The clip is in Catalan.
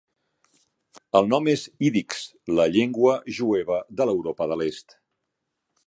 El nom és ídix, la llengua jueva de l'Europa de l'est.